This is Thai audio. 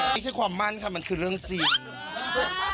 ไม่ใช่ความมั่นค่ะมันคือเรื่องจริง